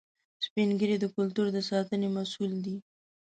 سپین ږیری د کلتور د ساتنې مسؤل دي